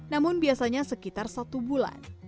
namun biasanya sekitar satu bulan